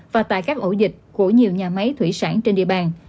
và tại các ổ dịch của nhiều nhà máy thủy sản trên địa bàn